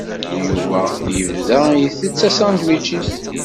Yuba yebda isett asandwič-is.